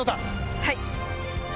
はい！